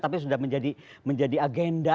tapi sudah menjadi agenda